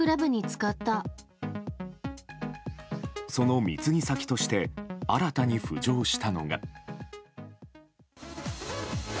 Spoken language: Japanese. その貢ぎ先として新たに浮上したのが。